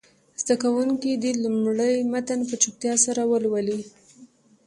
زده کوونکي دې لومړی متن په چوپتیا سره ولولي.